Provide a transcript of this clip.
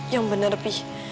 yang bener b